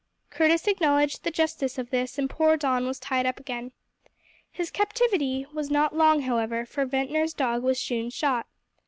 Curtis acknowledged the justice of this and poor Don was tied up again. His captivity was not long, however, for Ventnor's dog was soon shot.